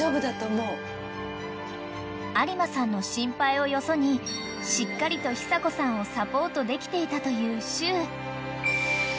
［有馬さんの心配をよそにしっかりと久子さんをサポートできていたというしゅう］